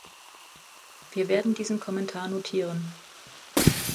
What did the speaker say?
Wir werden diesen Kommentar notieren.